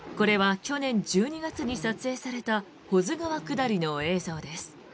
これは去年１２月に撮影された保津川下りの映像です。